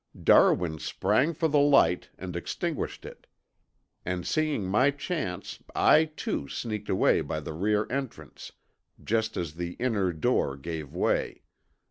Darwin sprang for the light and extinguished it, and seeing my chance I, too, sneaked away by the rear entrance just as the inner door gave way.